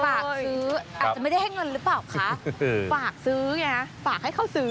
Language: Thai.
ซื้ออาจจะไม่ได้ให้เงินหรือเปล่าคะฝากซื้อไงฝากให้เขาซื้อ